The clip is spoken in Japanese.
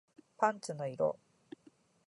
パンツの色